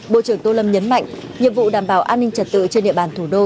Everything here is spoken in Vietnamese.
bộ trưởng tô lâm nhấn mạnh nhiệm vụ đảm bảo an ninh trật tự trên địa bàn thủ đô